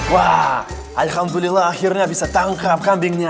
wah alhamdulillah akhirnya bisa tangkap kambingnya